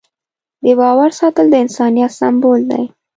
د باور ساتل د انسانیت سمبول دی.